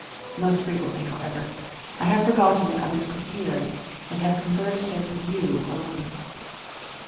Most frequently, however, I have forgotten that others could hear, and have conversed as with you alone.